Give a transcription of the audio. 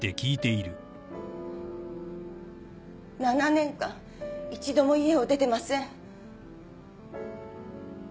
７年間一度も家を出てません。